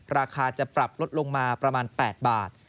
ราคาจะปรับลดลงมาประมาณ๘บาท